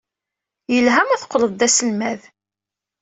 Yelha ma teqqled d aselmad.